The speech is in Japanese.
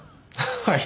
はい。